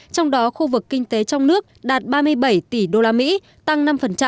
trong đó khu vực kinh tế trong nước đạt ba mươi bảy tỷ đô la mỹ tăng năm